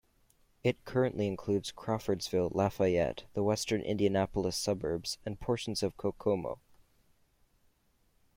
It currently includes Crawfordsville, Lafayette, the western Indianapolis suburbs, and portions of Kokomo.